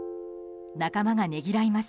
仲間がねぎらいます。